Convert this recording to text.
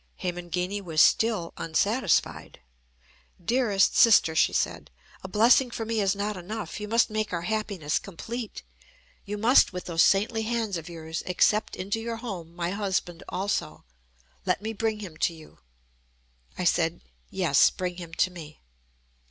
Hemangini was still unsatisfied. "Dearest sister," she said, "a blessing for me is not enough. You must make our happiness complete. You must, with those saintly hands of yours, accept into your home my husband also. Let me bring him to you." I said: "Yes, bring him to me."